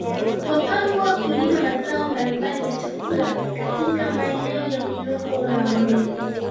Wapangwa hulima mazao mbalimbali ya chakula katika maeneo ya miinuko na mabondeni